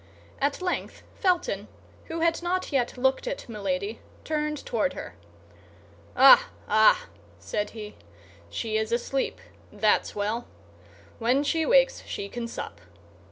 At length Felton, who had not yet looked at Milady, turned toward her. "Ah, ah!" said he, "she is asleep; that's well. When she wakes she can sup."